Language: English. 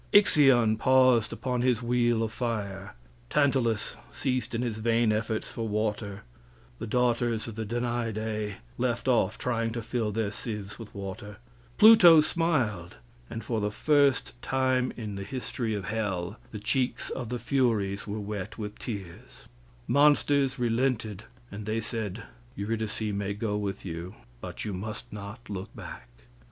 Ixion paused upon his wheel of fire; Tantalus ceased in his vain efforts for water; the daughters of the Danaidae left off trying to fill their sieves with water; Pluto smiled, and for the first time in the history of hell the cheeks of the Furies were wet with tears; monsters relented and they said, "Eurydice may go with you, but you must not look back."